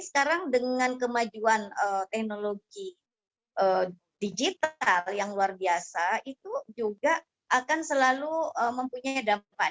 sekarang dengan kemajuan teknologi digital yang luar biasa itu juga akan selalu mempunyai dampak